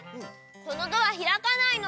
このドアひらかないの。